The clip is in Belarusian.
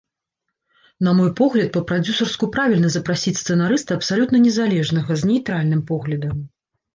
На мой погляд, па-прадзюсарску правільна запрасіць сцэнарыста абсалютна незалежнага, з нейтральным поглядам.